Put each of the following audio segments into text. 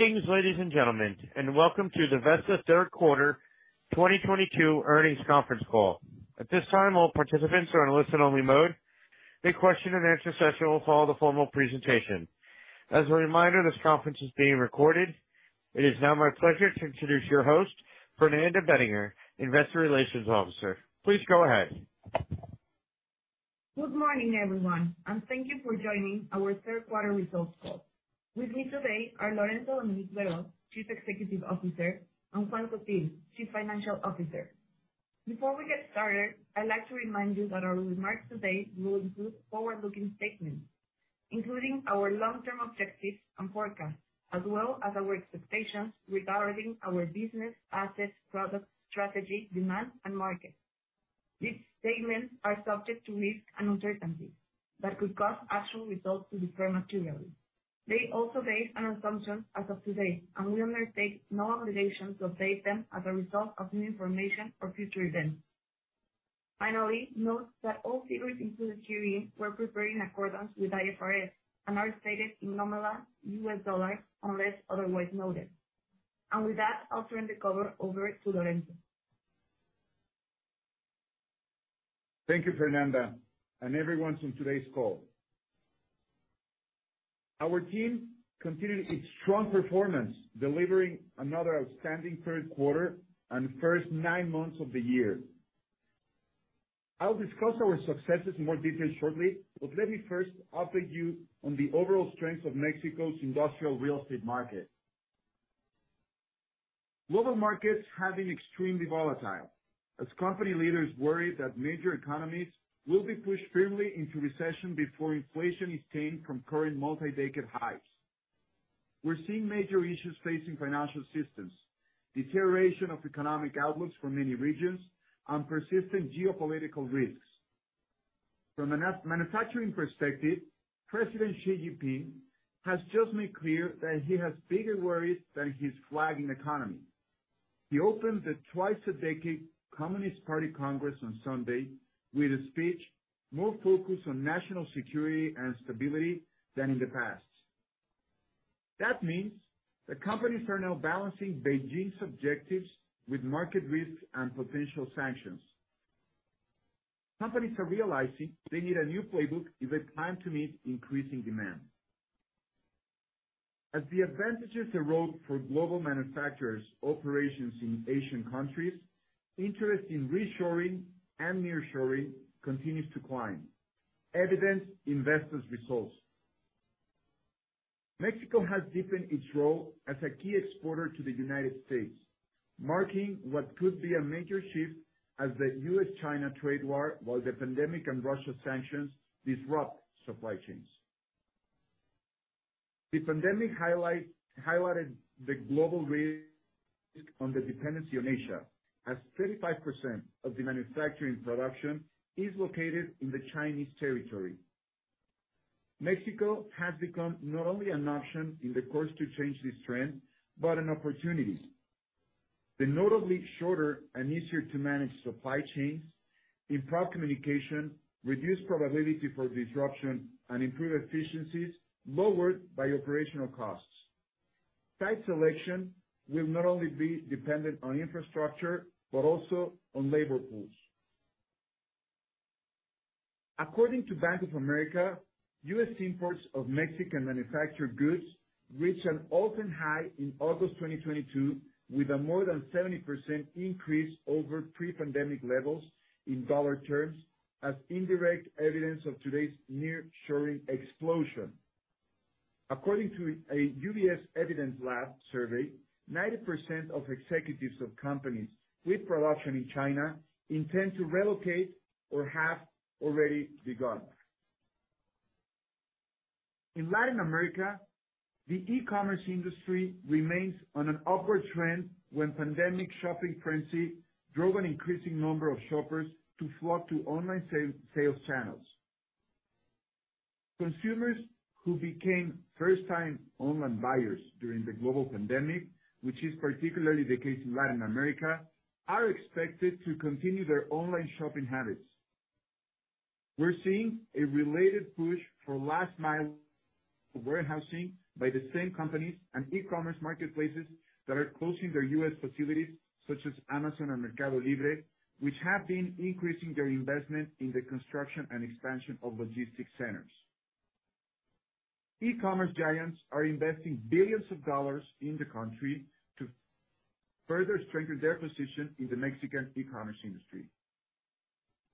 Good evening, ladies and gentlemen, and welcome to the Vesta Third Quarter 2022 Earnings Conference Call. At this time, all participants are in listen-only mode. The question and answer session will follow the formal presentation. As a reminder, this conference is being recorded. It is now my pleasure to introduce your host, Fernanda Bettinger, Investor Relations Officer. Please go ahead. Good morning, everyone, and thank you for joining our third quarter results call. With me today are Lorenzo Dominique Berho, Chief Executive Officer, and Juan Sottil, Chief Financial Officer. Before we get started, I'd like to remind you that our remarks today will include forward-looking statements, including our long-term objectives and forecasts, as well as our expectations regarding our business, assets, products, strategy, demand, and market. These statements are subject to risks and uncertainties that could cause actual results to differ materially. They also base on assumptions as of today, and we undertake no obligation to update them as a result of new information or future events. Finally, note that all figures included herein were prepared in accordance with IFRS and are stated in nominal US dollars unless otherwise noted. With that, I'll turn the call over to Lorenzo. Thank you, Fernanda, and everyone on today's call. Our team continued its strong performance, delivering another outstanding third quarter and first nine months of the year. I'll discuss our successes in more detail shortly, but let me first update you on the overall strength of Mexico's industrial real estate market. Global markets have been extremely volatile as company leaders worry that major economies will be pushed firmly into recession before inflation is tamed from current multi-decade highs. We're seeing major issues facing financial systems, deterioration of economic outlooks for many regions, and persistent geopolitical risks. From a manufacturing perspective, President Xi Jinping has just made clear that he has bigger worries than his flagging economy. He opened the twice-a-decade Communist Party Congress on Sunday with a speech more focused on national security and stability than in the past. That means that companies are now balancing Beijing's objectives with market risks and potential sanctions. Companies are realizing they need a new playbook if they're trying to meet increasing demand. As the advantages erode for global manufacturers' operations in Asian countries, interest in reshoring and nearshoring continues to climb, evident in Vesta's results. Mexico has deepened its role as a key exporter to the United States, marking what could be a major shift as the U.S.-China trade war, while the pandemic and Russian sanctions disrupt supply chains. The pandemic highlighted the global risk on the dependency on Asia, as 35% of the manufacturing production is located in the Chinese territory. Mexico has become not only an option in the course to change this trend, but an opportunity. The notably shorter and easier to manage supply chains, improved communication, reduced probability for disruption and improved efficiencies lowered by operational costs. Site selection will not only be dependent on infrastructure, but also on labor pools. According to Bank of America, U.S. imports of Mexican manufactured goods reached an all-time high in August 2022, with a more than 70% increase over pre-pandemic levels in dollar terms as indirect evidence of today's nearshoring explosion. According to a UBS Evidence Lab survey, 90% of executives of companies with production in China intend to relocate or have already begun. In Latin America, the e-commerce industry remains on an upward trend when pandemic shopping frenzy drove an increasing number of shoppers to flock to online sales channels. Consumers who became first-time online buyers during the global pandemic, which is particularly the case in Latin America, are expected to continue their online shopping habits. We're seeing a related push for last mile warehousing by the same companies and e-commerce marketplaces that are closing their U.S. facilities, such as Amazon and Mercado Libre, which have been increasing their investment in the construction and expansion of logistics centers. E-commerce giants are investing $ billions in the country to further strengthen their position in the Mexican e-commerce industry.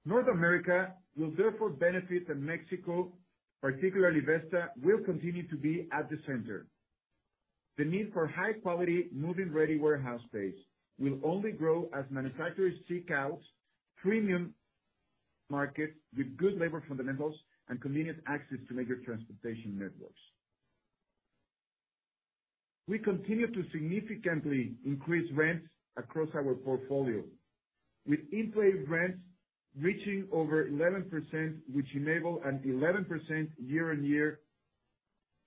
North America will therefore benefit, and Mexico, particularly Vesta, will continue to be at the center. The need for high-quality, move-in ready warehouse space will only grow as manufacturers seek out premium markets with good labor fundamentals and convenient access to major transportation networks. We continue to significantly increase rents across our portfolio, with in-place rents reaching over 11%, which enable an 11% year-on-year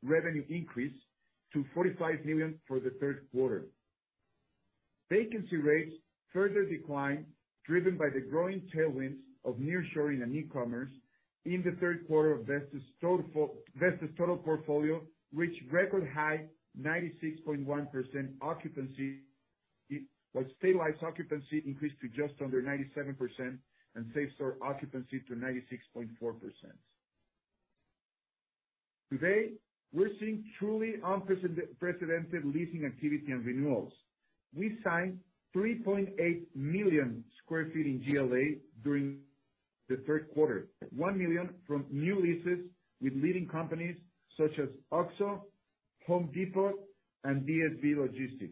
revenue increase to $45 million for the third quarter. Vacancy rates further declined, driven by the growing tailwinds of nearshoring and e-commerce in the third quarter of Vesta's total portfolio, which record-high 96.1% occupancy, while stabilized occupancy increased to just under 97% and same-store occupancy to 96.4%. Today, we're seeing truly unprecedented leasing activity and renewals. We signed 3.8 million sq ft in GLA during the third quarter. One million from new leases with leading companies such as OXXO, Home Depot, and DSV.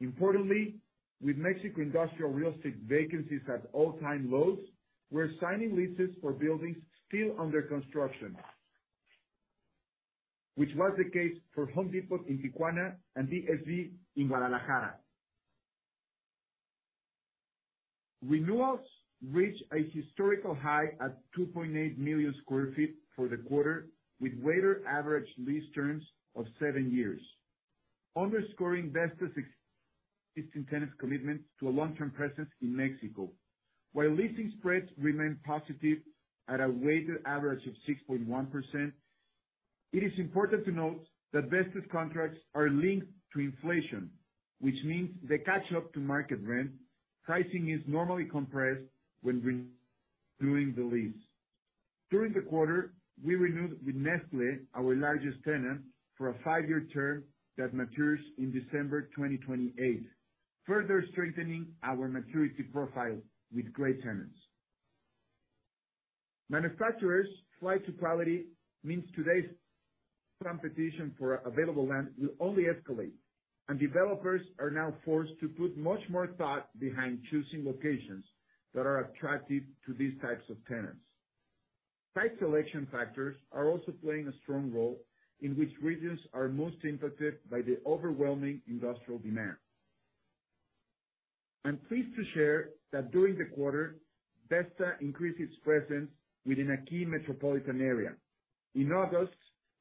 Importantly, with Mexican industrial real estate vacancies at all-time lows, we're signing leases for buildings still under construction, which was the case for Home Depot in Tijuana and DSV in Guadalajara. Renewals reached a historical high at 2.8 million sq ft for the quarter, with weighted average lease terms of seven years, underscoring Vesta's existing tenants' commitment to a long-term presence in Mexico. While leasing spreads remain positive at a weighted average of 6.1%, it is important to note that Vesta's contracts are linked to inflation, which means they catch up to market rent. Pricing is normally compressed when renewing the lease. During the quarter, we renewed with Nestlé, our largest tenant, for a five-year term that matures in December 2028, further strengthening our maturity profile with great tenants. Manufacturers' flight to quality means today's competition for available land will only escalate, and developers are now forced to put much more thought behind choosing locations that are attractive to these types of tenants. Site selection factors are also playing a strong role in which regions are most impacted by the overwhelming industrial demand. I'm pleased to share that during the quarter, Vesta increased its presence within a key metropolitan area. In August,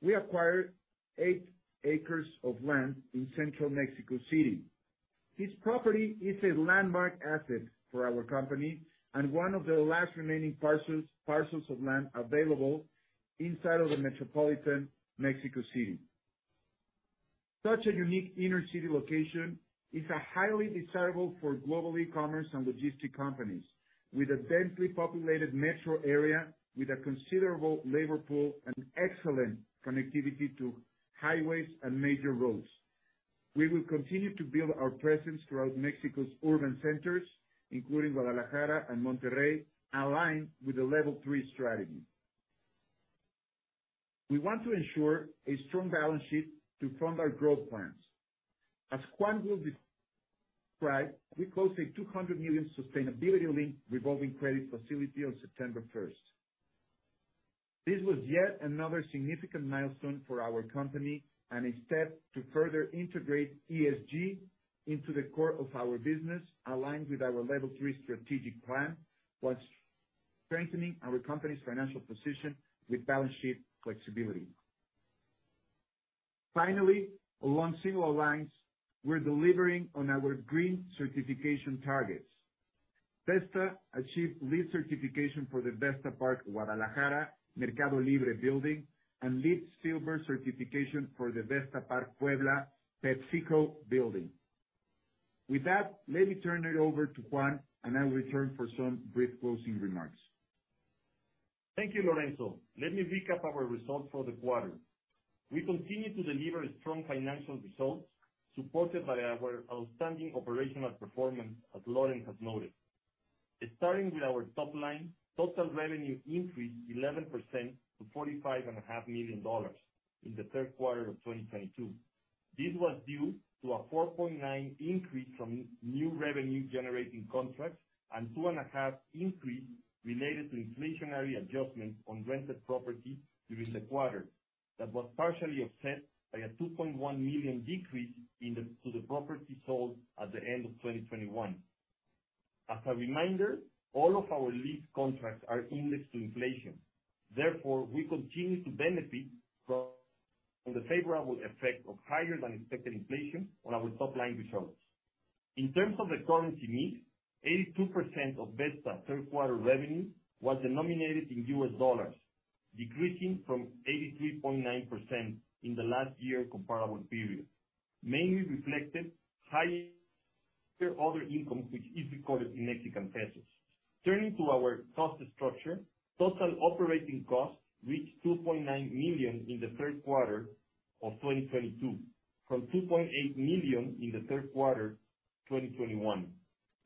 we acquired 8 acres of land in central Mexico City. This property is a landmark asset for our company and one of the last remaining parcels of land available inside of the metropolitan Mexico City. Such a unique inner-city location is highly desirable for global e-commerce and logistics companies, with a densely populated metro area, with a considerable labor pool, and excellent connectivity to highways and major roads. We will continue to build our presence throughout Mexico's urban centers, including Guadalajara and Monterrey, aligned with the Level 3 Strategy. We want to ensure a strong balance sheet to fund our growth plans. As Juan will describe, we closed a $200 million sustainability-linked revolving credit facility on September first. This was yet another significant milestone for our company and a step to further integrate ESG into the core of our business, aligned with our Level 3 Strategy, while strengthening our company's financial position with balance sheet flexibility. Finally, along similar lines, we're delivering on our green certification targets. Vesta achieved LEED certification for the Vesta Park Guadalajara Mercado Libre building and LEED Silver certification for the Vesta Park Puebla PepsiCo building. With that, let me turn it over to Juan, and I'll return for some brief closing remarks. Thank you, Lorenzo. Let me recap our results for the quarter. We continue to deliver strong financial results supported by our outstanding operational performance, as Lorenzo has noted. Starting with our top line, total revenue increased 11% to $45.5 million In the third quarter of 2022. This was due to a 4.9% increase from new revenue-generating contracts and 2.5% increase related to inflationary adjustments on rented properties during the quarter that was partially offset by a $2.1 million decrease to the property sold at the end of 2021. As a reminder, all of our lease contracts are indexed to inflation. Therefore, we continue to benefit from the favorable effect of higher than expected inflation on our top-line results. In terms of the currency mix, 82% of Vesta third quarter revenue was denominated in US dollars, decreasing from 83.9% in the last year comparable period. Mainly reflected higher other income, which is recorded in Mexican pesos. Turning to our cost structure, total operating costs reached $2.9 million in the third quarter of 2022 from $2.8 million in the third quarter 2021.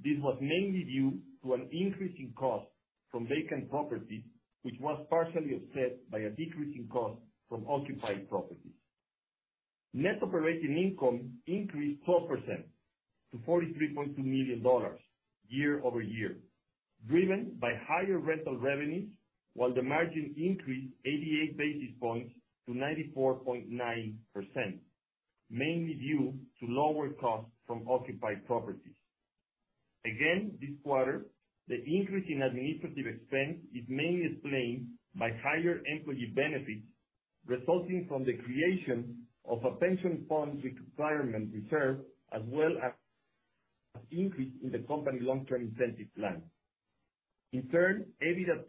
This was mainly due to an increase in cost from vacant properties, which was partially offset by a decrease in cost from occupied properties. Net operating income increased 12% to $43.2 million year-over-year, driven by higher rental revenues, while the margin increased 88 basis points to 94.9%. Mainly due to lower costs from occupied properties. Again, this quarter, the increase in administrative expense is mainly explained by higher employee benefits resulting from the creation of a pension fund requirement reserve, as well as increase in the company long-term incentive plan. In turn, EBITDA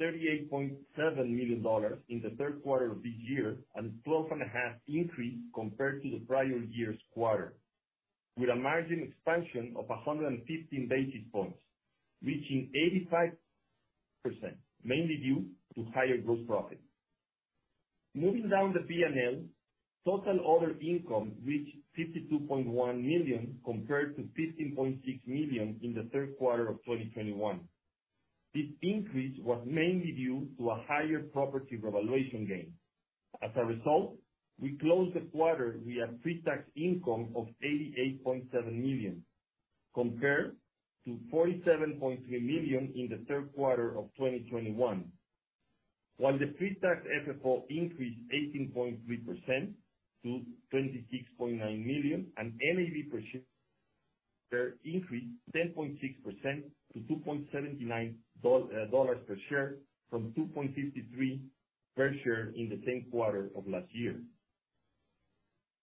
totaled $38.7 million in the third quarter of this year, a 12.5% increase compared to the prior year's quarter, with a margin expansion of 115 basis points, reaching 85%, mainly due to higher gross profit. Moving down the P&L, total other income reached $52.1 million compared to $15.6 million in the third quarter of 2021. This increase was mainly due to a higher property revaluation gain. As a result, we closed the quarter with a pre-tax income of $88.7 million, compared to $47.3 million in the third quarter of 2021. While the pre-tax FFO increased 18.3% to $26.9 million, and NAV per share increased 10.6% to $2.79 dollars per share from $2.53 per share in the same quarter of last year.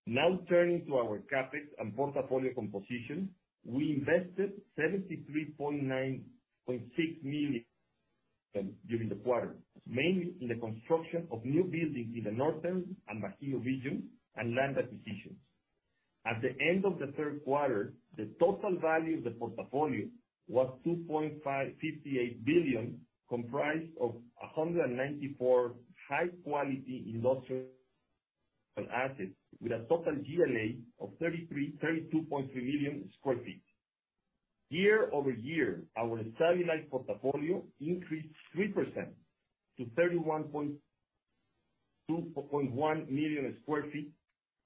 Now turning to our CapEx and portfolio composition. We invested $73.96 million during the quarter, mainly in the construction of new buildings in the northern and Bajío region and land acquisitions. At the end of the third quarter, the total value of the portfolio was $2.558 billion, comprised of 194 high quality industrial assets with a total GLA of 32.3 million sq ft. Year over year, our stabilized portfolio increased 3% to 31.21 million sq ft,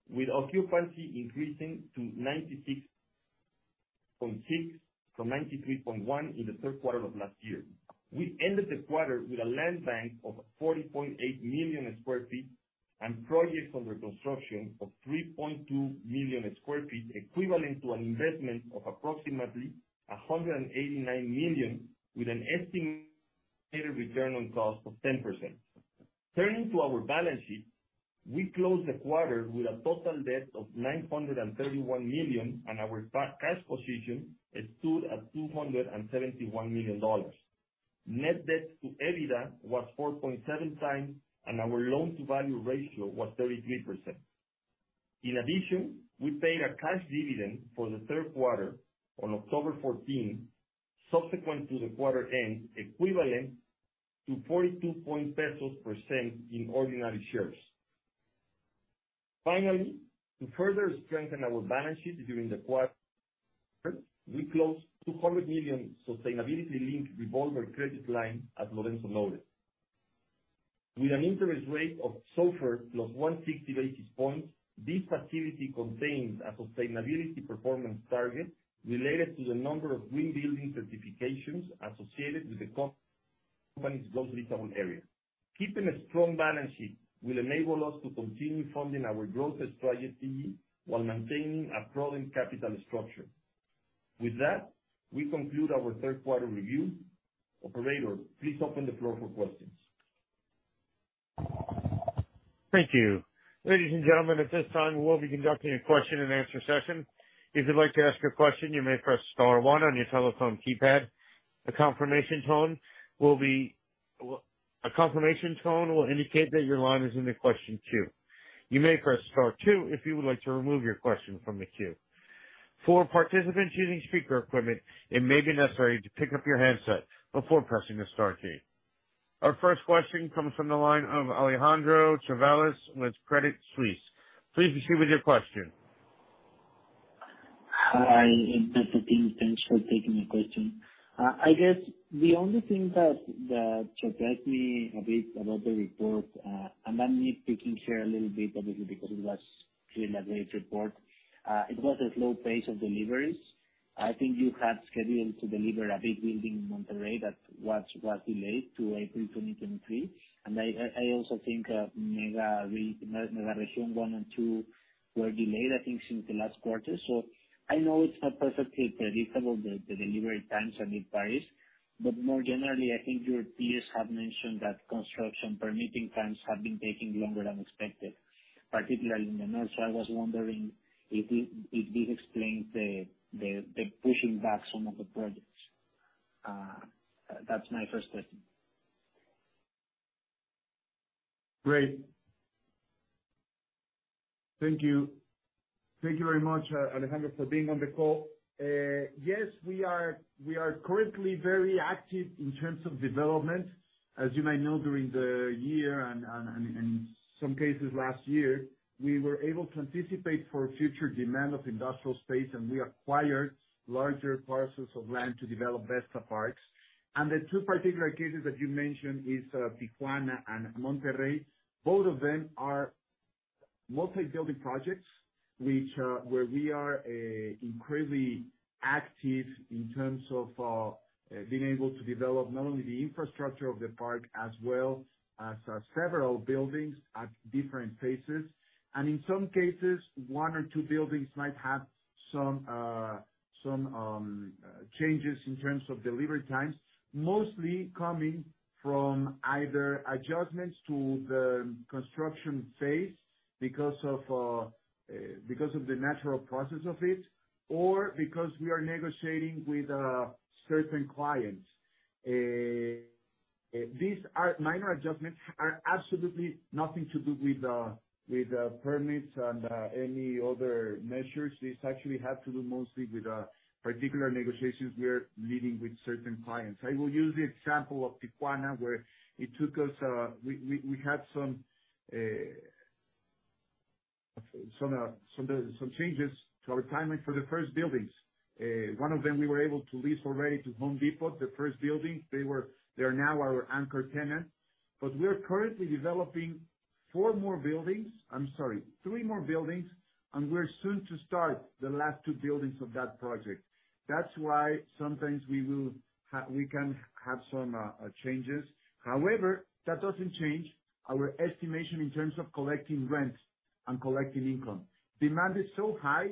with occupancy increasing to 96.6% from 93.1% in the third quarter of last year. We ended the quarter with a land bank of 40.8 million sq ft and projects under construction of 3.2 million sq ft, equivalent to an investment of approximately $189 million, with an estimated return on cost of 10%. Turning to our balance sheet. We closed the quarter with a total debt of $931 million, and our cash position stood at $271 million. Net debt to EBITDA was 4.7x, and our loan-to-value ratio was 33%. In addition, we paid a cash dividend for the third quarter on October 14th, subsequent to the quarter end, equivalent to Ps. 42.00 per share in ordinary shares. Finally, to further strengthen our balance sheet during the quarter, we closed a $200 million sustainability-linked revolving credit line as Lorenzo noted. With an interest rate of SOFR plus 160 basis points, this facility contains a sustainability performance target related to the number of green building certifications associated with the company's gross leasable area. Keeping a strong balance sheet will enable us to continue funding our growth strategy while maintaining a prudent capital structure. With that, we conclude our third quarter review. Operator, please open the floor for questions. Thank you. Ladies and gentlemen, at this time, we'll be conducting a question-and-answer session. If you'd like to ask a question, you may press star one on your telephone keypad. A confirmation tone will indicate that your line is in the question queue. You may press star two if you would like to remove your question from the queue. For participants using speaker equipment, it may be necessary to pick up your handset before pressing the star key. Our first question comes from the line of Alejandro Chavelas with Credit Suisse. Please proceed with your question. Hi, thanks for taking the question. I guess the only thing that surprised me a bit about the report, and that's me nitpicking here a little bit, obviously, because it was pre-announced report, it was a slow pace of deliveries. I think you had scheduled to deliver a big building in Monterrey that was delayed to April 2023. I also think Vesta Park Mega Region 1 and 2 were delayed, I think, since the last quarter. I know it's not perfectly predictable, the delivery times are revised. But more generally, I think your peers have mentioned that construction permitting times have been taking longer than expected, particularly in the north. I was wondering if this explains the pushing back some of the projects. That's my first question. Great. Thank you. Thank you very much, Alejandro, for being on the call. Yes, we are currently very active in terms of development. As you may know, during the year and in some cases last year, we were able to anticipate for future demand of industrial space, and we acquired larger parcels of land to develop Vesta parks. The two particular cases that you mentioned is Tijuana and Monterrey. Both of them are Multi-building projects where we are incredibly active in terms of being able to develop not only the infrastructure of the park as well as several buildings at different phases. In some cases, one or two buildings might have some changes in terms of delivery times, mostly coming from either adjustments to the construction phase because of the natural process of it, or because we are negotiating with certain clients. These are minor adjustments, are absolutely nothing to do with permits and any other measures. This actually had to do mostly with particular negotiations we are leading with certain clients. I will use the example of Tijuana, where it took us we had some changes to our timing for the first buildings. One of them we were able to lease already to Home Depot, the first building. They are now our anchor tenant. We are currently developing four more buildings. I'm sorry, three more buildings, and we're soon to start the last two buildings of that project. That's why sometimes we can have some changes. However, that doesn't change our estimation in terms of collecting rent and collecting income. Demand is so high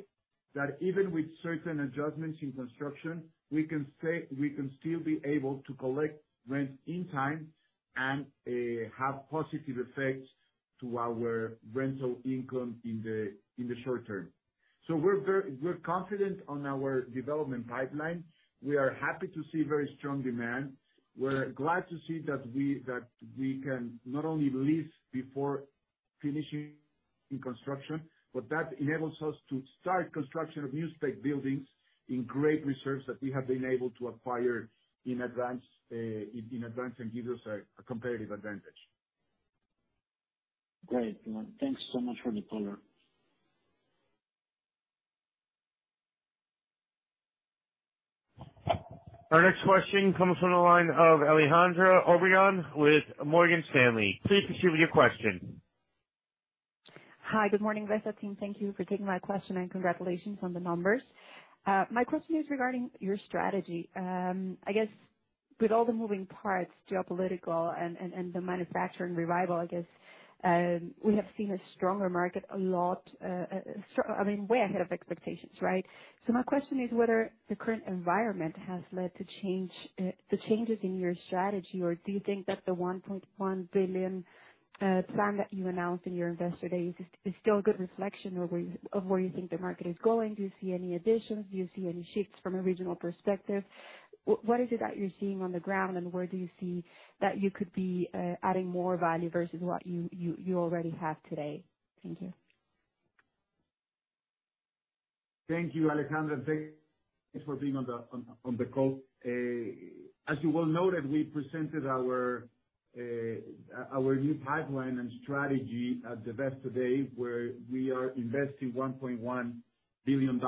that even with certain adjustments in construction, we can say we can still be able to collect rent in time and have positive effects to our rental income in the short term. We're confident on our development pipeline. We are happy to see very strong demand. We're glad to see that we can not only lease before finishing in construction, but that enables us to start construction of new spec buildings in great reserves that we have been able to acquire in advance, and give us a competitive advantage. Great. Thanks so much for the color. Our next question comes from the line of Alejandra Obregón with Morgan Stanley. Please proceed with your question. Hi. Good morning, Vesta team. Thank you for taking my question and congratulations on the numbers. My question is regarding your strategy. I guess with all the moving parts, geopolitical and the manufacturing revival, I guess we have seen a lot stronger market, I mean, way ahead of expectations, right? My question is whether the current environment has led to changes in your strategy, or do you think that the $1.1 billion plan that you announced in your Investor Day is still a good reflection of where you think the market is going? Do you see any additions? Do you see any shifts from a regional perspective? What is it that you're seeing on the ground, and where do you see that you could be adding more value versus what you already have today? Thank you. Thank you, Alejandra. Thank you for being on the call. As you well noted, we presented our new pipeline and strategy at Investor Day, where we are investing $1.1 billion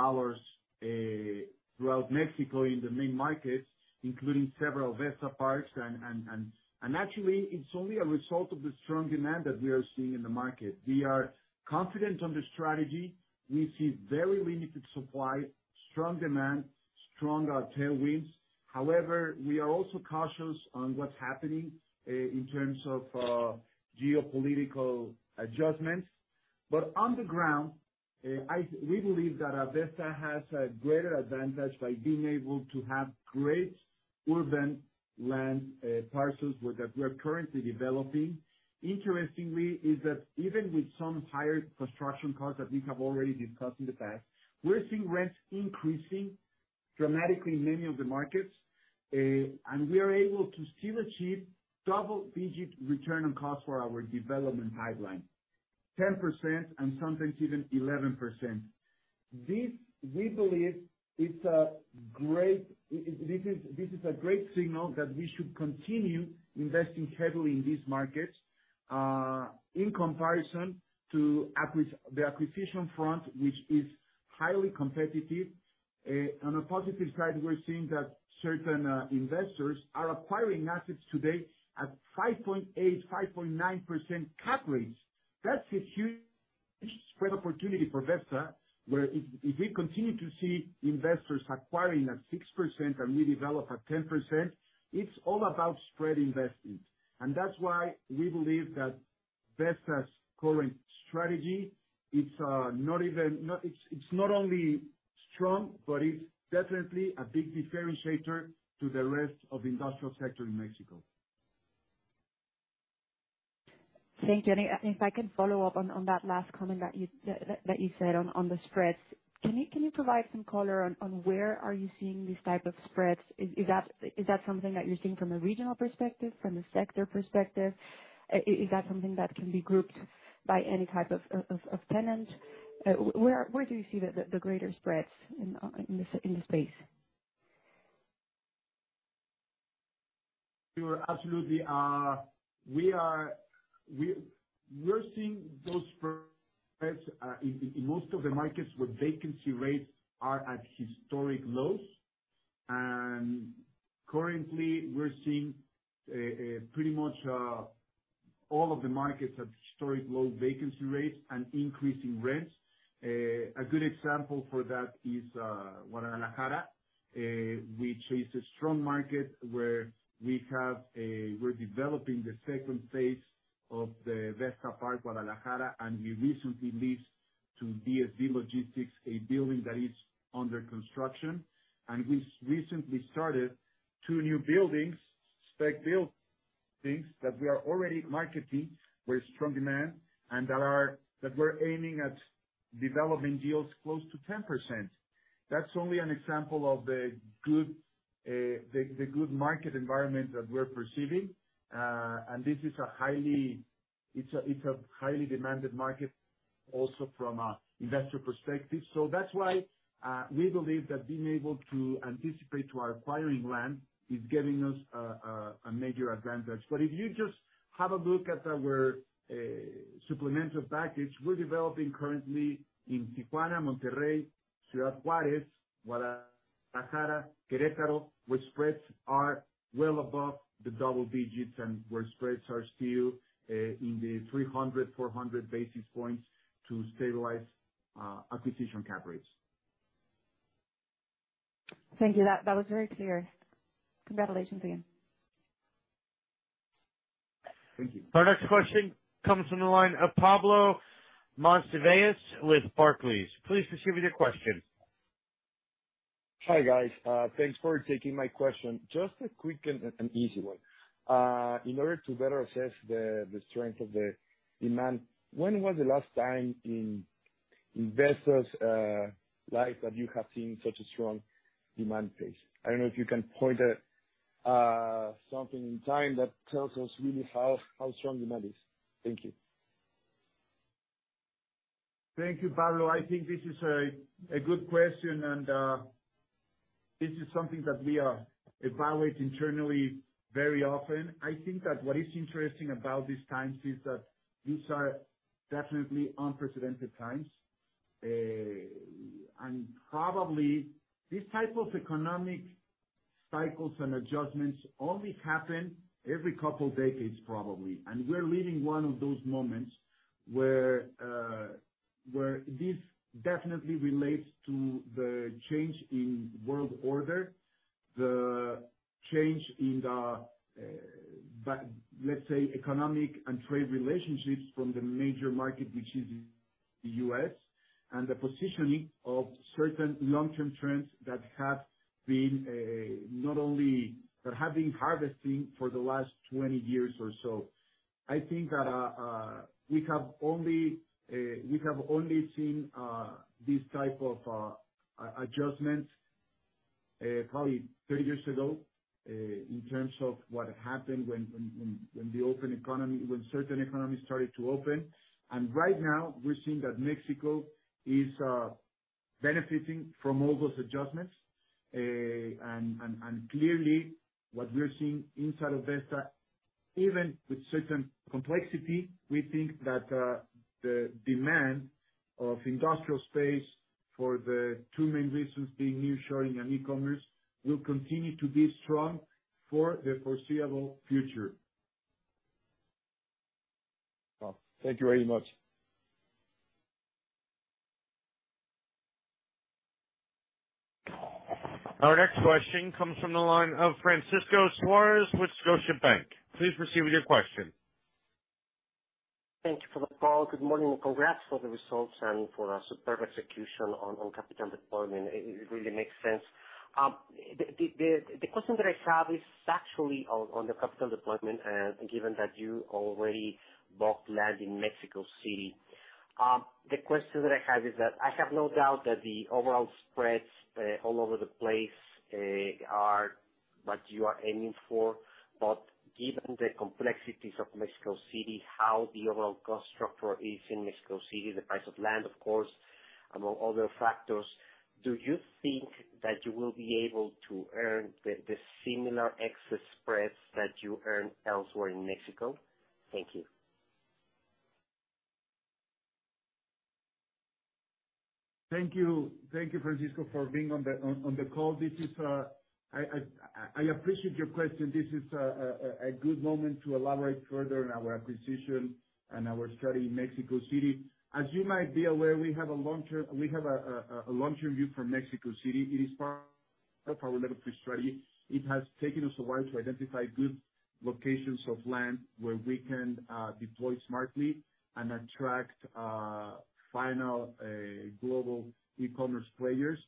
throughout Mexico in the main markets, including several Vesta Parks. Actually, it's only a result of the strong demand that we are seeing in the market. We are confident on the strategy. We see very limited supply, strong demand, strong tailwinds. However, we are also cautious on what's happening in terms of geopolitical adjustments. On the ground, we believe that Vesta has a greater advantage by being able to have great urban land parcels that we're currently developing. It's interesting that even with some higher construction costs that we have already discussed in the past, we're seeing rents increasing dramatically in many of the markets. We are able to still achieve double-digit return on cost for our development pipeline, 10% and sometimes even 11%. This is a great signal that we should continue investing heavily in these markets, in comparison to the acquisition front, which is highly competitive. On a positive side, we're seeing that certain investors are acquiring assets today at 5.8%, 5.9% cap rates. That's a huge spread opportunity for Vesta, where if we continue to see investors acquiring at 6% and we develop at 10%, it's all about spread investing. That's why we believe that Vesta's current strategy, it's not only strong, but it's definitely a big differentiator to the rest of the industrial sector in Mexico. Thank you. If I can follow up on that last comment that you said on the spreads. Can you provide some color on where are you seeing these type of spreads? Is that something that you're seeing from a regional perspective? From a sector perspective? Is that something that can be grouped by any type of tenant? Where do you see the greater spreads in the space? Sure, absolutely. We're seeing those spreads in most of the markets where vacancy rates are at historic lows. Currently we're seeing pretty much all of the markets have historic low vacancy rates and increasing rents. A good example for that is Guadalajara, which is a strong market where we're developing the second phase of the Vesta Park Guadalajara, and we recently leased to DSV a building that is under construction. We recently started two new buildings, spec buildings, that we are already marketing with strong demand and that we're aiming at developing deals close to 10%. That's only an example of the good market environment that we're perceiving. This is a highly demanded market also from an investor perspective. That's why we believe that being able to anticipate to acquiring land is giving us a major advantage. If you just have a look at our supplemental package, we're developing currently in Tijuana, Monterrey, Ciudad Juárez, Guadalajara, Querétaro, which spreads are well above the double digits and where spreads are still in the 300-400 basis points to stabilize acquisition cap rates. Thank you. That was very clear. Congratulations again. Thank you. Our next question comes from the line of Pablo Monsivais with Barclays. Please proceed with your question. Hi, guys. Thanks for taking my question. Just a quick and easy one. In order to better assess the strength of the demand, when was the last time in investors' life that you have seen such a strong demand pace? I don't know if you can point at something in time that tells us really how strong demand is. Thank you. Thank you, Pablo. I think this is a good question, and this is something that we evaluate internally very often. I think that what is interesting about these times is that these are definitely unprecedented times. Probably these type of economic cycles and adjustments only happen every couple decades, probably. We're living one of those moments where this definitely relates to the change in world order, the change in the, let's say, economic and trade relationships from the major market, which is the U.S., and the positioning of certain long-term trends that have been harvesting for the last 20 years or so. I think we have only seen these type of adjustments probably 30 years ago in terms of what happened when certain economies started to open. Right now we're seeing that Mexico is benefiting from all those adjustments. Clearly what we're seeing inside of Vesta, even with certain complexity, we think that the demand of industrial space for the two main reasons, being nearshoring and e-commerce, will continue to be strong for the foreseeable future. Well, thank you very much. Our next question comes from the line of Francisco Suarez with Scotiabank. Please proceed with your question. Thank you for the call. Good morning, and congrats for the results and for a superb execution on capital deployment. It really makes sense. The question that I have is actually on the capital deployment, given that you already bought land in Mexico City. The question that I have is that I have no doubt that the overall spreads all over the place are what you are aiming for, but given the complexities of Mexico City, how the overall cost structure is in Mexico City, the price of land, of course, among other factors, do you think that you will be able to earn the similar excess spreads that you earn elsewhere in Mexico? Thank you. Thank you. Thank you, Francisco, for being on the call. I appreciate your question. This is a good moment to elaborate further on our acquisition and our strategy in Mexico City. As you might be aware, we have a long-term view for Mexico City. It is part of our Level 3 Strategy. It has taken us a while to identify good locations of land where we can deploy smartly and attract final global e-commerce players.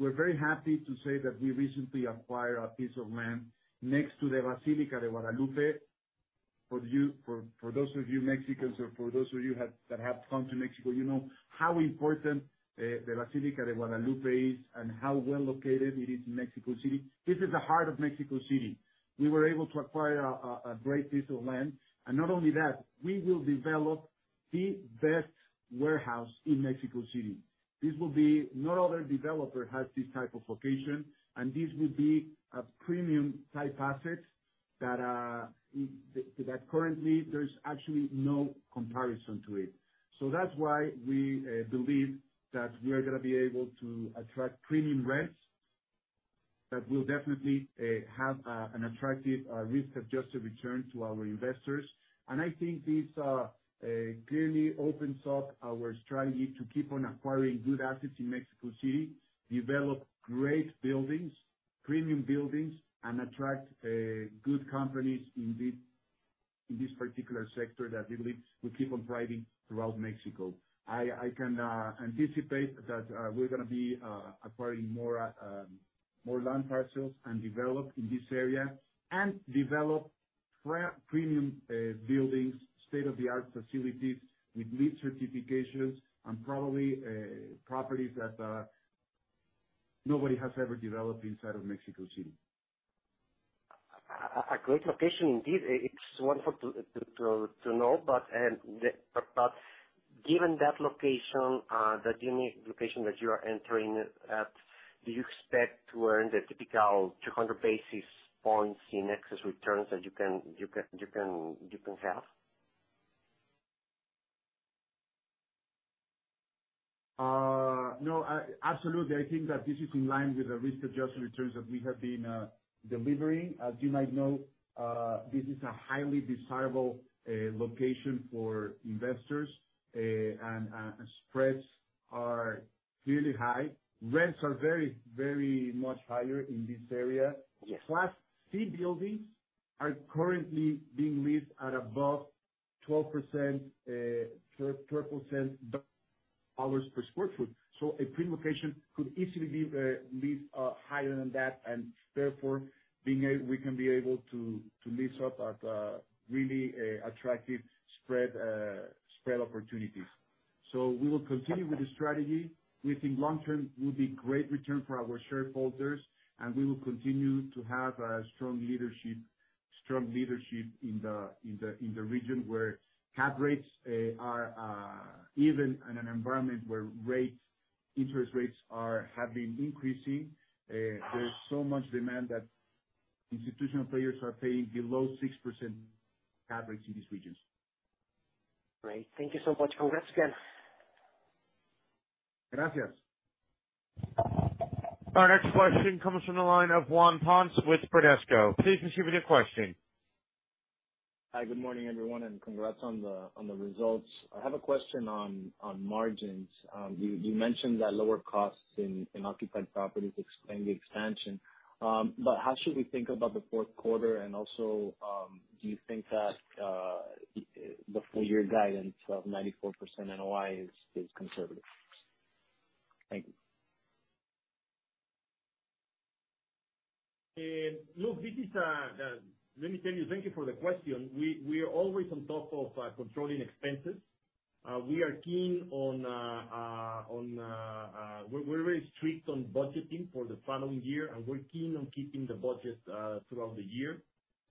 We're very happy to say that we recently acquired a piece of land next to the Basílica de Guadalupe. For those of you Mexicans or those of you that have come to Mexico, you know how important the Basílica de Guadalupe is and how well located it is in Mexico City. This is the heart of Mexico City. We were able to acquire a great piece of land. Not only that, we will develop the best warehouse in Mexico City. This will be. No other developer has this type of location, and this will be a premium type asset. That currently there's actually no comparison to it. That's why we believe that we are gonna be able to attract premium rents that will definitely have an attractive risk-adjusted return to our investors. I think this clearly opens up our strategy to keep on acquiring good assets in Mexico City, develop great buildings, premium buildings, and attract good companies in this particular sector that we believe will keep on thriving throughout Mexico. I can anticipate that we're gonna be acquiring more land parcels and develop in this area and develop premium buildings, state-of-the-art facilities with LEED certifications and probably properties that nobody has ever developed inside of Mexico City. A great location indeed. It's wonderful to know. Given that location, that unique location that you are entering at, do you expect to earn the typical 200 basis points in excess returns that you can have? No, absolutely. I think that this is in line with the risk-adjusted returns that we have been delivering. As you might know, this is a highly desirable location for investors, and spreads are really high. Rents are very, very much higher in this area. Yes. Class C buildings are currently being leased at above $12 per sq ft. A premium location could easily be leased higher than that, and therefore we can be able to lease up at really attractive spread opportunities. We will continue with the strategy. We think long term will be great return for our shareholders, and we will continue to have a strong leadership in the region where cap rates are even in an environment where interest rates have been increasing, there's so much demand that institutional players are paying below 6% cap rates in these regions. Great. Thank you so much. Congrats again. Gracias. Our next question comes from the line of Juan Ponce with Bradesco. Please proceed with your question. Hi. Good morning, everyone, and congrats on the results. I have a question on margins. You mentioned that lower costs in occupied properties explain the expansion. How should we think about the fourth quarter, and also, do you think that the full year guidance of 94% NOI is conservative? Thank you. Let me tell you, thank you for the question. We are always on top of controlling expenses. We're very strict on budgeting for the following year, and we're keen on keeping the budget throughout the year.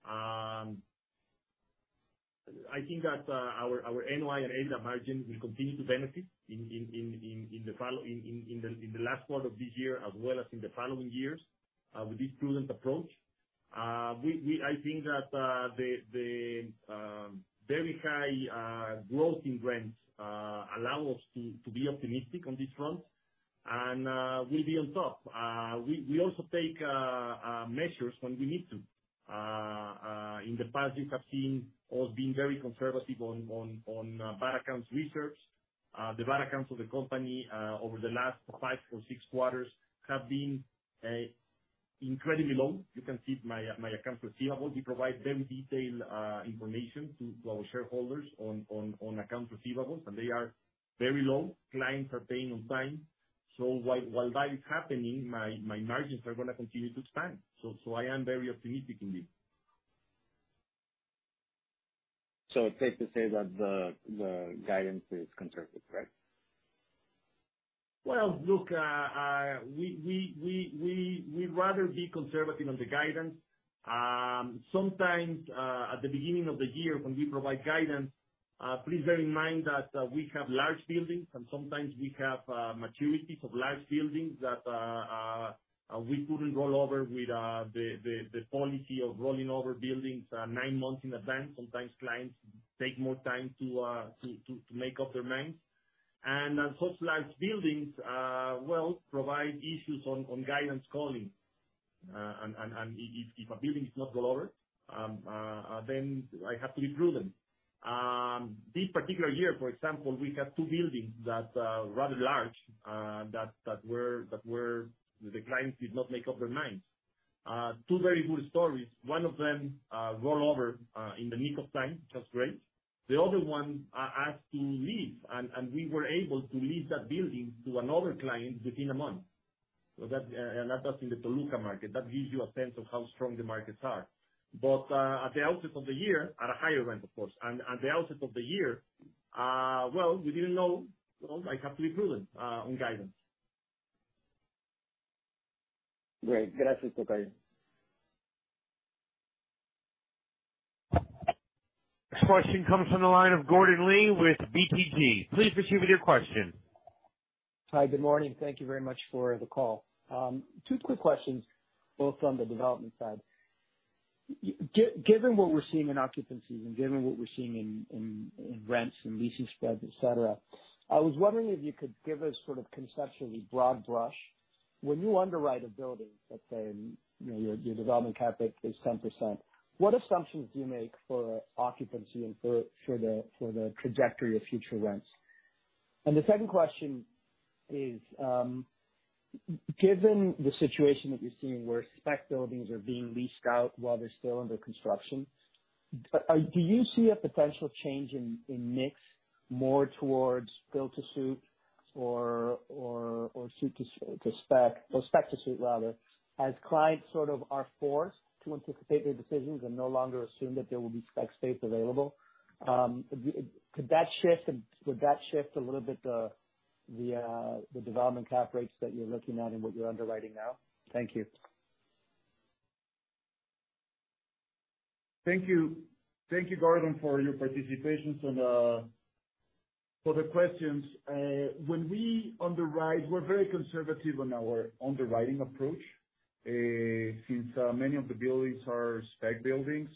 I think that our NOI and EBITDA margins will continue to benefit in the last quarter of this year, as well as in the following years with this prudent approach. I think that the very high growth in rents allow us to be optimistic on this front. We'll be on top. We also take measures when we need to. In the past, you have seen us being very conservative on bad accounts receivable. The bad accounts of the company over the last five or six quarters have been incredibly low. You can see my accounts receivables. We provide very detailed information to our shareholders on account receivables, and they are very low. Clients are paying on time. While that is happening, my margins are gonna continue to expand. I am very optimistic indeed. It's safe to say that the guidance is conservative, right? Well, look, we'd rather be conservative on the guidance. Sometimes, at the beginning of the year when we provide guidance, please bear in mind that we have large buildings, and sometimes we have maturities of large buildings that we couldn't roll over with the policy of rolling over buildings nine months in advance. Sometimes clients take more time to make up their minds. Such large buildings, well, provide issues on guidance calling. If a building is not rolled over, then I have to be prudent. This particular year, for example, we have two buildings that are rather large that the clients did not make up their minds. Two very good stories. One of them rolled over in the nick of time, just great. The other one asked to leave, and we were able to lease that building to another client within a month. That's in the Toluca market. That gives you a sense of how strong the markets are. At the outset of the year, at a higher rent, of course. At the outset of the year, well, we didn't know, so I have to be prudent on guidance. Great. Gracias, Juan. Next question comes from the line of Gordon Lee with BTG Pactual. Please proceed with your question. Hi, good morning. Thank you very much for the call. Two quick questions, both on the development side. Given what we're seeing in occupancies and given what we're seeing in rents and leasing spreads, et cetera, I was wondering if you could give a sort of conceptually broad brush. When you underwrite a building, let's say, your development CapEx is 10%, what assumptions do you make for occupancy and for the trajectory of future rents? The second question is, given the situation that you're seeing where spec buildings are being leased out while they're still under construction, do you see a potential change in mix more towards build to suit or suit to spec or spec to suit rather, as clients sort of are forced to anticipate their decisions and no longer assume that there will be spec space available? Could that shift, would that shift a little bit the development cap rates that you're looking at and what you're underwriting now? Thank you. Thank you. Thank you, Gordon, for your participation and for the questions. When we underwrite, we're very conservative on our underwriting approach, since many of the buildings are spec buildings,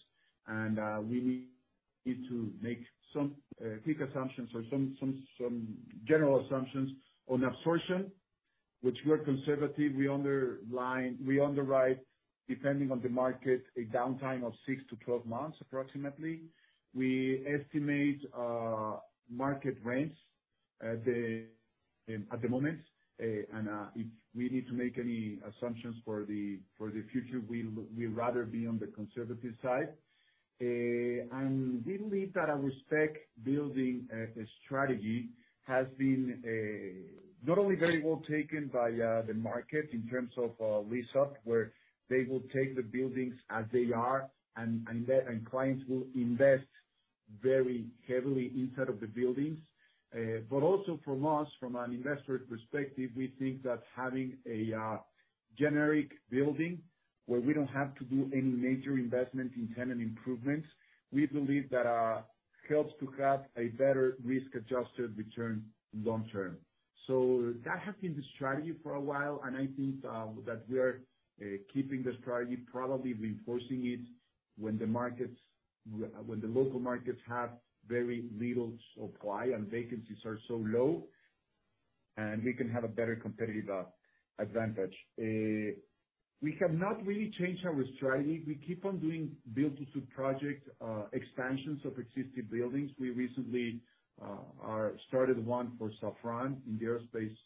and we need to make some key assumptions or some general assumptions on absorption, which we're conservative. We underwrite, depending on the market, a downtime of 6-12 months approximately. We estimate market rents at the moment, and if we need to make any assumptions for the future, we'd rather be on the conservative side. We believe that our spec building strategy has been not only very well taken by the market in terms of lease up, where they will take the buildings as they are and clients will invest very heavily inside of the buildings, but also from us, from an investor perspective, we think that having a generic building where we don't have to do any major investment in tenant improvements, we believe that helps to have a better risk-adjusted return long term. That has been the strategy for a while, and I think that we are keeping the strategy, probably reinforcing it when the local markets have very little supply and vacancies are so low, and we can have a better competitive advantage. We have not really changed our strategy. We keep on doing build to suit projects, expansions of existing buildings. We recently started one for Safran in the aerospace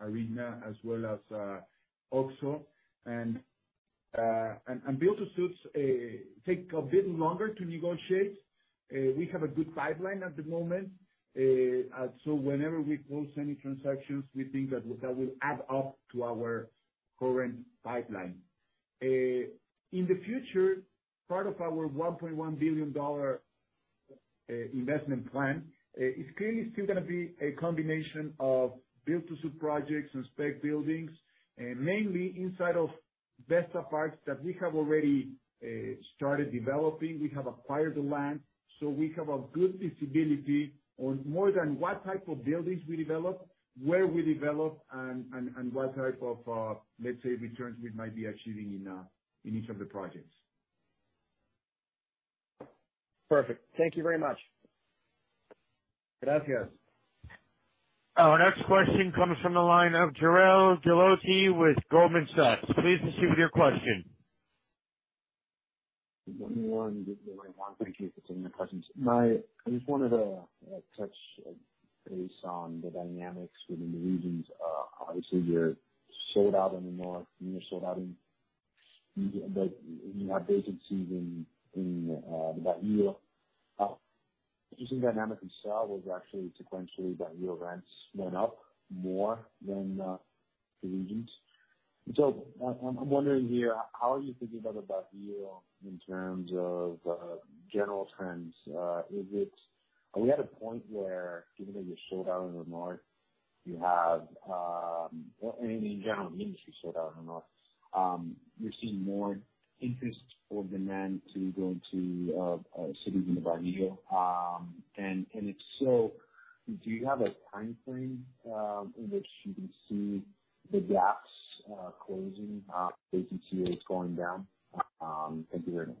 arena, as well as OXXO. Build to suits take a bit longer to negotiate. We have a good pipeline at the moment. Whenever we close any transactions, we think that that will add up to our current pipeline. In the future, part of our $1.1 billion investment plan is clearly still gonna be a combination of build to suit projects and spec buildings, mainly inside of Vesta parks that we have already started developing. We have acquired the land, so we have a good visibility on more than what type of buildings we develop, where we develop, and what type of, let's say returns we might be achieving in each of the projects. Perfect. Thank you very much. Gracias. Our next question comes from the line of Jorel Guilloty with Goldman Sachs. Please proceed with your question. One. Thank you for taking my questions. I just wanted to touch base on the dynamics within the regions. Obviously you're sold out in the north, and you're sold out but you have vacancies in the Bajío. Interesting dynamic itself was actually sequentially Bajío rents went up more than the regions. I'm wondering here, how are you thinking about Bajío in terms of general trends? Is it? Are we at a point where given that you're sold out in the north, you have, I mean, in general, the industry is sold out in the north, you're seeing more interest or demand to go into cities in the Bajío. If so, do you have a timeframe in which you can see the gaps closing, vacancy rate going down? Thank you very much.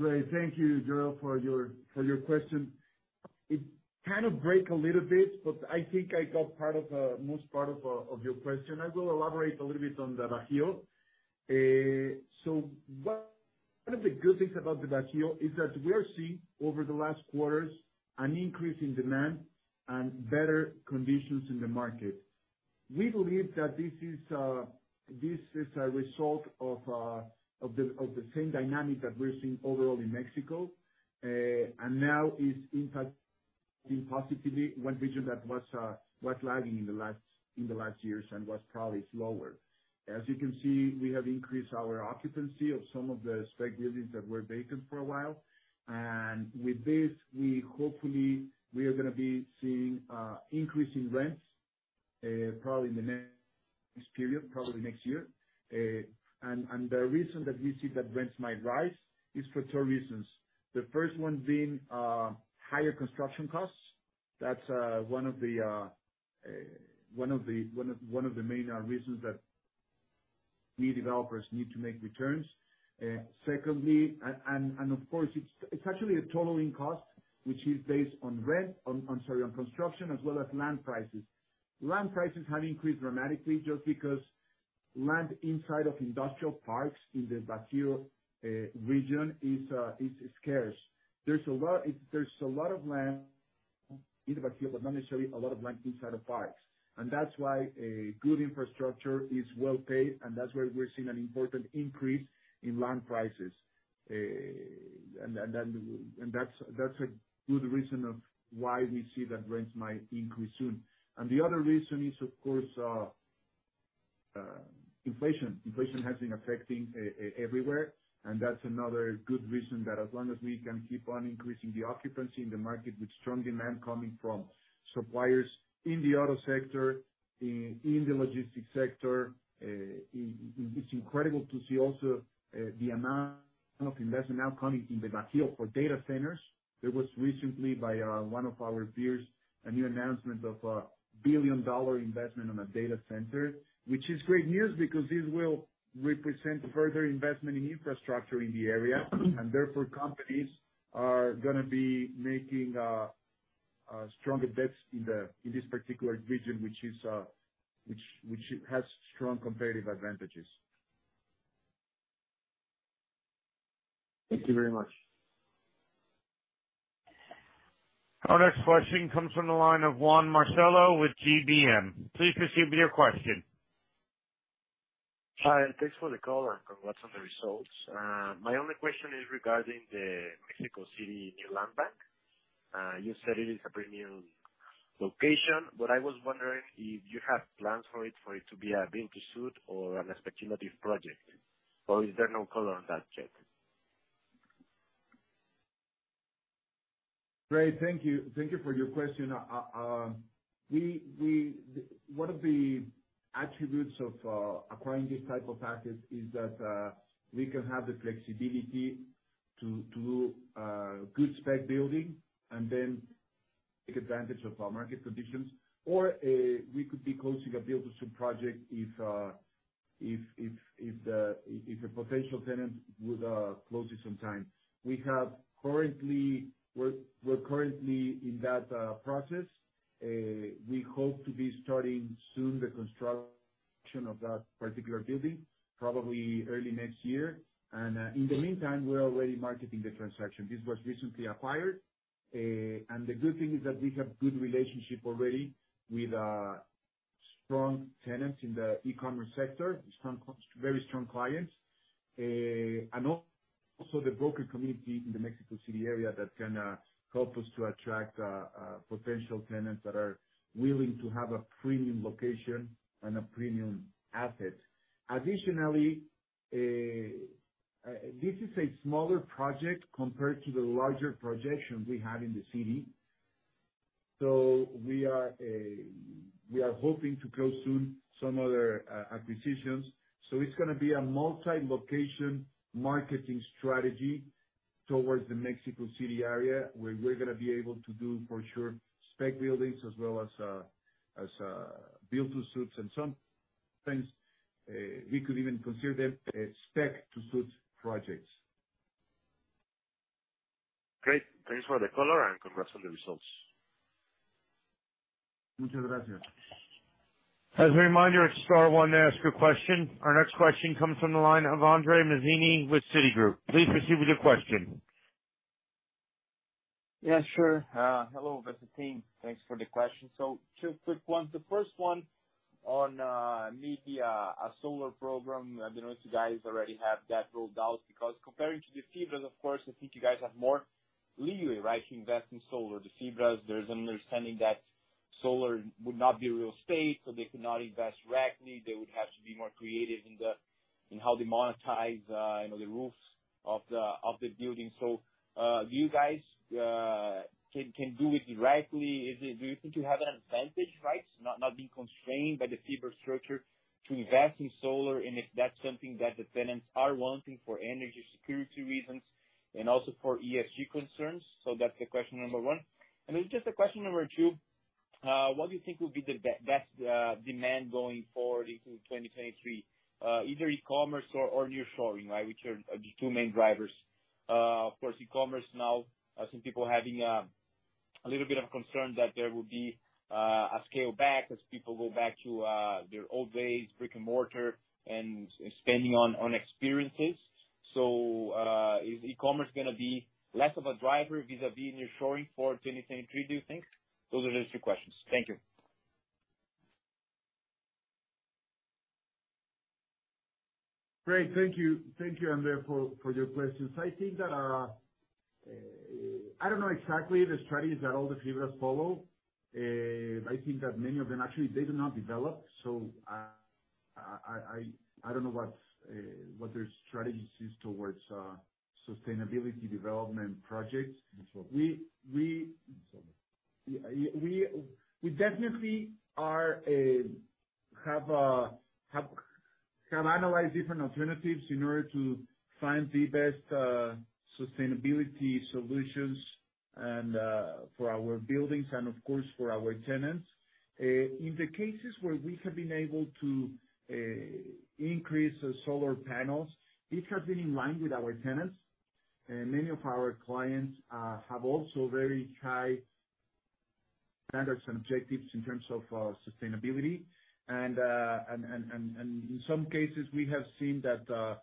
Great. Thank you, Jorel, for your question. It kind of broke a little bit, but I think I got most of your question. I will elaborate a little bit on the Bajío. One of the good things about the Bajío is that we are seeing over the last quarters an increase in demand and better conditions in the market. We believe that this is a result of the same dynamic that we're seeing overall in Mexico, and now is impacting positively one region that was lagging in the last years and was probably slower. As you can see, we have increased our occupancy of some of the spec buildings that were vacant for a while. With this, we hopefully are gonna be seeing an increase in rents. Probably in the next period, probably next year. The reason that we see that rents might rise is for two reasons. The first one being higher construction costs. That's one of the main reasons that new developers need to make returns. Secondly, and of course, it's actually a total cost, which is based on, I'm sorry, construction as well as land prices. Land prices have increased dramatically just because land inside of industrial parks in the Bajío region is scarce. There's a lot of land in Bajío, but not necessarily a lot of land inside of parks. That's why a good infrastructure is well-paid, and that's where we're seeing an important increase in land prices. That's a good reason why we see that rents might increase soon. The other reason is, of course, inflation. Inflation has been affecting everywhere, and that's another good reason that as long as we can keep on increasing the occupancy in the market with strong demand coming from suppliers in the auto sector, in the logistics sector, it's incredible to see also the amount of investment now coming in the Bajío for data centers. There was recently, by one of our peers, a new announcement of a $1 billion investment on a data center, which is great news because this will represent further investment in infrastructure in the area. Therefore, companies are gonna be making strong bets in this particular region, which has strong competitive advantages. Thank you very much. Our next question comes from the line of Juan Marcelo with GBM. Please proceed with your question. Hi, and thanks for the call and congrats on the results. My only question is regarding the Mexico City new land bank. You said it is a premium location, but I was wondering if you have plans for it, for it to be a build-to-suit or a speculative project. Or is there no color on that yet? Great. Thank you. Thank you for your question. One of the attributes of acquiring this type of asset is that we can have the flexibility to do spec building and then take advantage of our market conditions. Or we could be closing a build-to-suit project if the potential tenant would close it sometime. We're currently in that process. We hope to be starting soon the construction of that particular building, probably early next year. In the meantime, we're already marketing the transaction. This was recently acquired. The good thing is that we have good relationship already with strong tenants in the e-commerce sector, very strong clients. Also the broker community in the Mexico City area that can help us to attract potential tenants that are willing to have a premium location and a premium asset. Additionally, this is a smaller project compared to the larger projections we have in the city. We are hoping to close soon some other acquisitions. It's gonna be a multi-location marketing strategy towards the Mexico City area, where we're gonna be able to do, for sure, spec buildings as well as build-to-suits and some things we could even consider them spec-to-suit projects. Great. Thanks for the color and congrats on the results. Muchas gracias. As a reminder, it's star one to ask a question. Our next question comes from the line of Andre Mazini with Citigroup. Please proceed with your question. Yeah, sure. Hello, Vicente. Thanks for the question. Two quick ones. The first one on, maybe, a solar program. I don't know if you guys already have that ruled out because compared to the FIBRAs, of course, I think you guys have more leeway, right, to invest in solar. The FIBRAs, there's an understanding that solar would not be real estate, so they could not invest directly. They would have to be more creative in how they monetize, you know, the roofs of the building. Can you guys do it directly? Do you think you have an advantage, right, to not being constrained by the FIBRA structure to invest in solar, and if that's something that the tenants are wanting for energy security reasons and also for ESG concerns? That's the question number one. Just a question number two, what do you think will be the best demand going forward into 2023, either e-commerce or nearshoring, right? Which are the two main drivers. Of course, e-commerce now, some people are having a little bit of concern that there will be a scale back as people go back to their old ways, brick-and-mortar and spending on experiences. Is e-commerce gonna be less of a driver vis-à-vis nearshoring for 2023, do you think? Those are just two questions. Thank you. Great. Thank you. Thank you, Andre Mazini, for your questions. I think that I don't know exactly the strategies that all the FIBRAs follow. I think that many of them actually they do not develop. I don't know what their strategy is towards sustainability development projects. We definitely have analyzed different alternatives in order to find the best sustainability solutions and for our buildings and of course for our tenants. In the cases where we have been able to increase solar panels, it has been in line with our tenants. Many of our clients have also very high standards and objectives in terms of sustainability. In some cases, we have seen that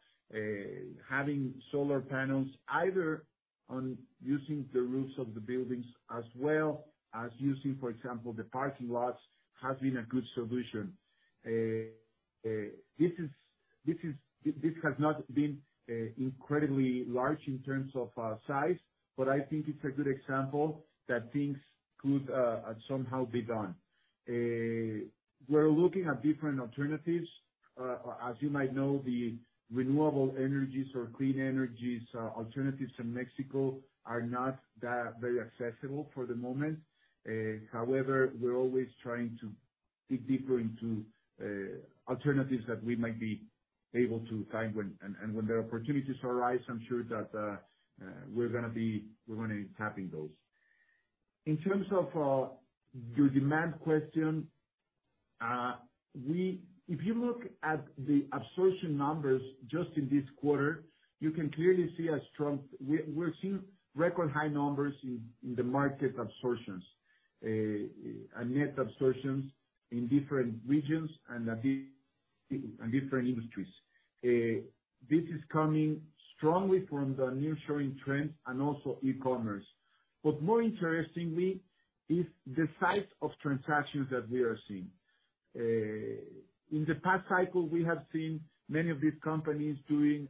having solar panels either on using the roofs of the buildings as well as using, for example, the parking lots, has been a good solution. This has not been incredibly large in terms of size, but I think it's a good example that things could somehow be done. We're looking at different alternatives. As you might know, the renewable energies or clean energies alternatives in Mexico are not that very accessible for the moment. However, we're always trying to dig deeper into alternatives that we might be able to find when the opportunities arise. I'm sure that we're gonna be tapping those. In terms of your demand question, if you look at the absorption numbers just in this quarter, you can clearly see we're seeing record high numbers in the market absorptions, net absorptions in different regions and a bit in different industries. This is coming strongly from the nearshoring trends and also e-commerce. More interestingly is the size of transactions that we are seeing. In the past cycle, we have seen many of these companies doing,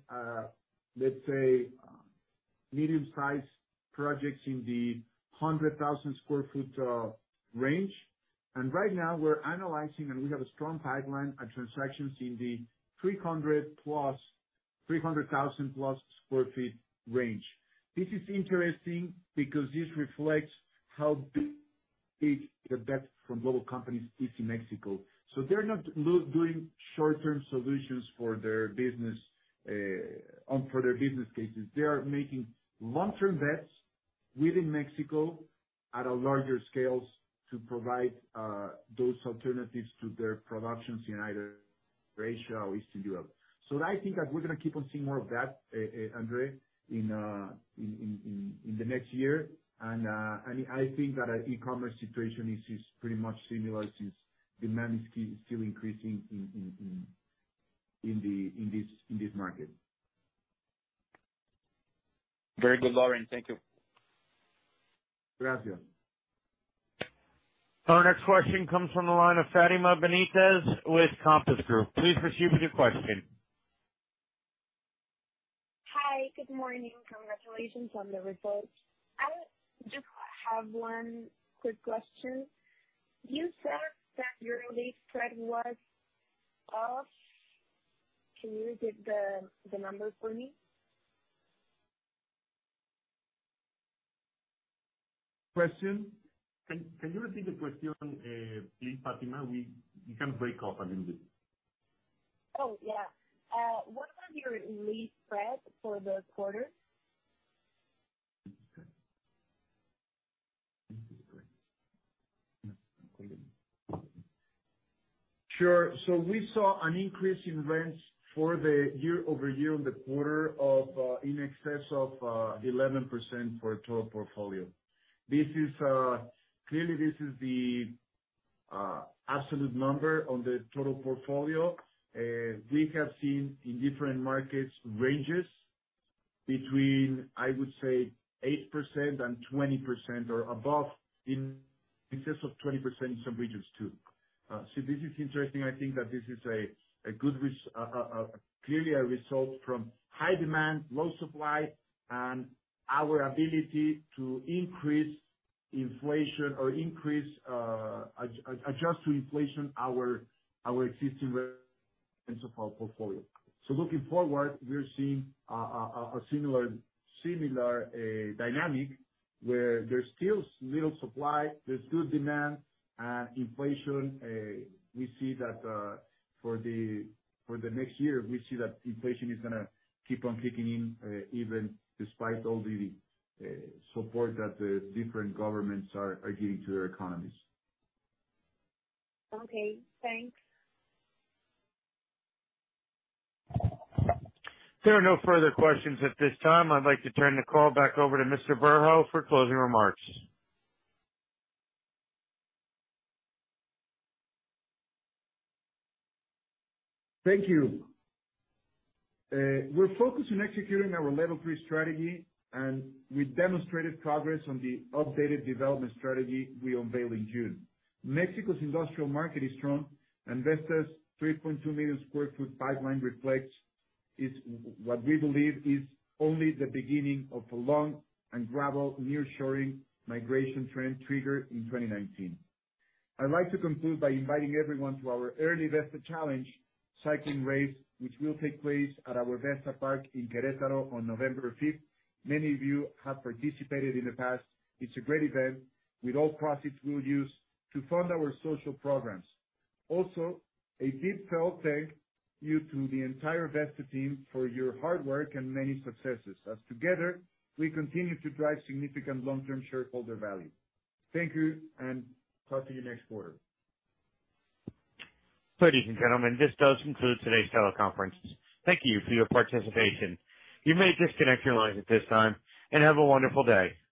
let's say, medium-sized projects in the 100,000 sq ft range. Right now we're analyzing, and we have a strong pipeline of transactions in the 300,000+ sq ft range. This is interesting because this reflects how big the bet from global companies is in Mexico. They're not doing short-term solutions for their business for their business cases. They are making long-term bets within Mexico at a larger scales to provide those alternatives to their productions in either Asia or Eastern Europe. I think that we're gonna keep on seeing more of that, Andre, in the next year. I think that our e-commerce situation is pretty much similar since demand is still increasing in this market. Very good, Lorenzo. Thank you. Gracias. Our next question comes from the line of Fatima Benitez with Compass Group. Please proceed with your question. Hi. Good morning. Congratulations on the results. I just have one quick question. You said that your lease spread was up. Can you repeat the number for me? Question? Can you repeat the question, please, Fatima? You can break up a little bit. Oh, yeah. What was your lease spread for the quarter? We saw an increase in rents for the year-over-year and quarter-over-quarter of in excess of 11% for total portfolio. This is clearly the absolute number on the total portfolio. We have seen in different markets ranges between, I would say, 8% and 20% or above in excess of 20% in some regions, too. This is interesting. I think that this is clearly a result from high demand, low supply, and our ability to increase inflation or increase adjust to inflation our existing rents of our portfolio. Looking forward, we're seeing a similar dynamic where there's still little supply, there's good demand and inflation. We see that for the next year, we see that inflation is gonna keep on kicking in, even despite all the support that the different governments are giving to their economies. Okay, thanks. There are no further questions at this time. I'd like to turn the call back over to Mr. Berho for closing remarks. Thank you. We're focused on executing our Level 3 Strategy, and we demonstrated progress on the updated development strategy we unveiled in June. Mexico's industrial market is strong. Vesta's 3.2 million sq ft pipeline reflects what we believe is only the beginning of a long and gradual nearshoring migration trend triggered in 2019. I'd like to conclude by inviting everyone to our annual Vesta Challenge cycling race, which will take place at our Vesta Park in Querétaro on November 15th. Many of you have participated in the past. It's a great event with all profits we'll use to fund our social programs. Also, a deeply felt thank you to the entire Vesta team for your hard work and many successes, as together we continue to drive significant long-term shareholder value. Thank you and talk to you next quarter. Ladies and gentlemen, this does conclude today's teleconference. Thank you for your participation. You may disconnect your lines at this time, and have a wonderful day.